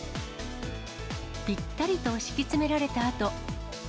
ぴったりと敷き詰められたあと。